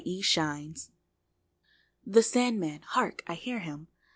THE SANDMAN The Sandman! hark, I hear him!